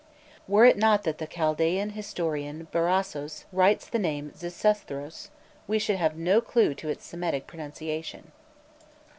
Were it not that the Chaldæan historian Bêrôssos writes the name Xisuthros, we should have no clue to its Semitic pronunciation.